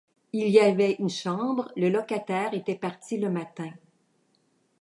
Il y avait une chambre, le locataire était parti le matin.